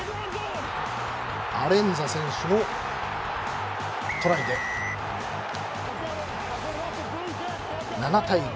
アレンザ選手のトライで７対５。